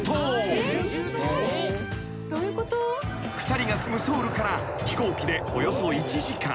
［２人が住むソウルから飛行機でおよそ１時間］